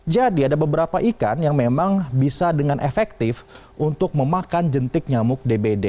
jadi ada beberapa ikan yang memang bisa dengan efektif untuk memakan jentik nyamuk dbd